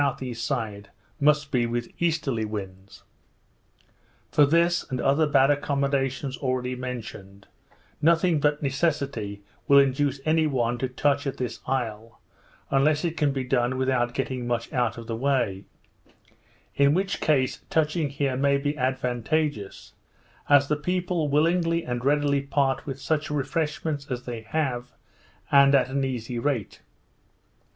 E. side must be with easterly winds. For this, and other bad accommodations already mentioned, nothing but necessity will induce any one to touch at this isle, unless it can be done without going much out of the way; in which case, touching here may be advantageous, as the people willingly and readily part with such refreshments as they have, and at an easy rate.